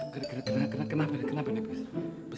kenapa kenapa kenapa